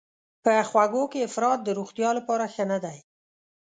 په خوږو کې افراط د روغتیا لپاره ښه نه دی.